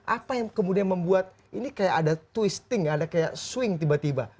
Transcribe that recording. apa yang kemudian membuat ini kayak ada twisting ada kayak swing tiba tiba